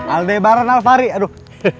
al debaran alvari aduh